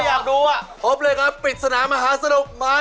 หมายเลขหนึ่งครับเพราะค่ะขอบคุณครับ